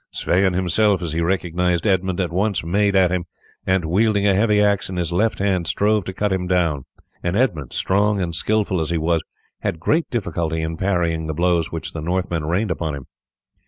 Sweyn himself, as he recognized Edmund, at once made at him, and, wielding a heavy axe in his left hand, strove to cut him down; and Edmund, strong and skilful as he was, had great difficulty in parrying the blows which the Northman rained upon him.